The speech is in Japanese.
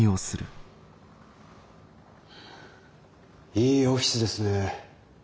いいオフィスですね。